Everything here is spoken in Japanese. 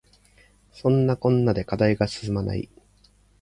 そんなこんなで課題が進まない